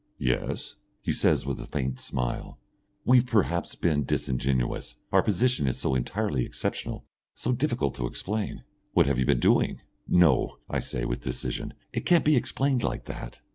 "Yes?" he says, with a faint smile. "We've perhaps been disingenuous. Our position is so entirely exceptional, so difficult to explain " "What have you been doing?" "No," I say, with decision; "it can't be explained like that."